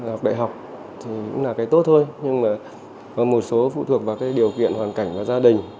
học đại học là cái tốt thôi nhưng có một số phụ thuộc vào điều kiện hoàn cảnh và gia đình